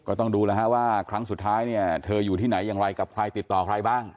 ก็ต้องดูแล้วฮะว่าครั้งสุดท้ายเนี่ยเธออยู่ที่ไหนอย่างไรกับใครติดต่อใครบ้าง